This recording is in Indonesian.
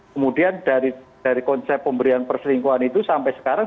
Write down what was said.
kemudian dari konsep pemberian perselingkuhan itu sampai sekarang